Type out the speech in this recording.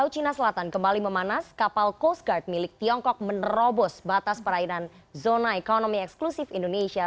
laut cina selatan kembali memanas kapal coast guard milik tiongkok menerobos batas perairan zona economy exclusive indonesia